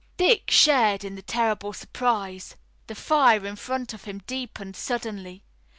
Dick shared in the terrible surprise. The fire in front of him deepened suddenly.